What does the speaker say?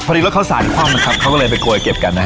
พอดีแล้วเขาสาธิความนะครับเขาก็เลยไปโกยเก็บกันนะฮะ